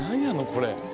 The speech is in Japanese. これ。